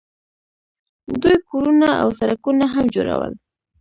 دوی کورونه او سړکونه هم جوړول.